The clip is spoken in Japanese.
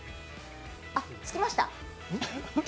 あ、着きました。